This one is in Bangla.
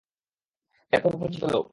এরা তো অপরিচিত লোক।